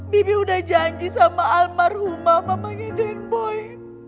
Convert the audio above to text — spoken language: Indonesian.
bibi udah janji sama almarhumah mamanya den boy